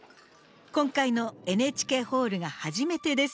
今回のＮＨＫホールが初めてです。